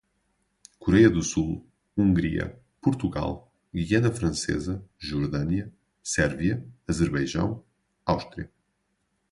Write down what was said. Coreia do Sul, Hungria, Portugal, Guiana Francesa, Jordânia, Sérvia, Azerbaijão, Áustria